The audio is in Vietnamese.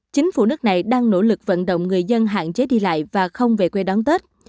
chính phủ nước này đang nỗ lực vận động người dân hạn chế đi lại và không về quê đón tết